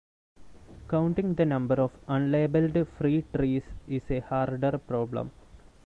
Counting the number of unlabeled free trees is a harder problem.